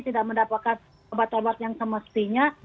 tidak mendapatkan obat obat yang semestinya